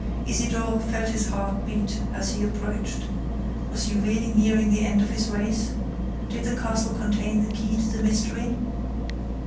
Isidore felt his heart beat as he approached. Was he really nearing the end of his race? Did the castle contain the key to the mystery?